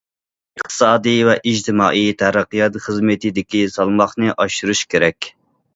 ئىقتىسادىي ۋە ئىجتىمائىي تەرەققىيات خىزمىتىدىكى سالماقنى ئاشۇرۇش كېرەك.